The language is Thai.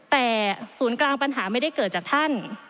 แต่ศูนย์กลางปัญหาไม่ได้เกิดจากท่าน